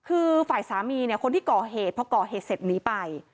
คือฝ่ายสามีคนที่ก่อเหตุเพราะก่อเหตุเสร็จนี้ไป